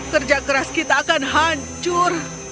kerja keras kita akan hancur